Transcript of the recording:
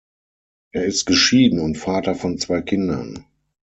Er ist geschieden und Vater von zwei Kindern.